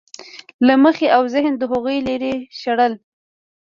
له مخې او ذهنه د هغوی لرې شړل.